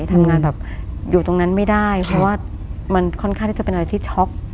ทำงานแบบอยู่ตรงนั้นไม่ได้เพราะว่ามันค่อนข้างที่จะเป็นอะไรที่ช็อก